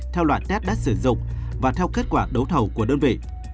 theo loại test đã sử dụng và theo kết quả đấu thầu của đơn vị